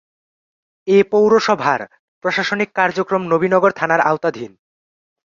এ পৌরসভার প্রশাসনিক কার্যক্রম নবীনগর থানার আওতাধীন।